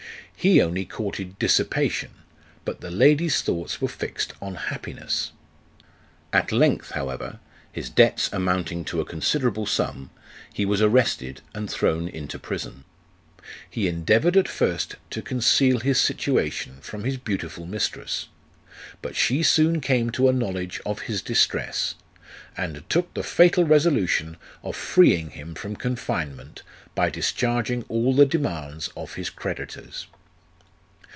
He only courted dissipation, but the lady's thoughts were fixed on happiness. At length, however, his debts amounting to a considerable sum, he was arrested and thrown into prison. He endeavoured at first to conceal his situation from his beautiful mistress ; but she soon came to a knowledge of his distress, and took the fatal resolution of freeing him from confinement by discharging all the demands of his creditors.